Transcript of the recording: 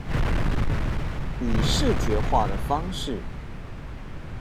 以視覺化的方式